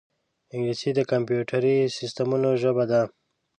انګلیسي د کمپیوټري سیستمونو ژبه ده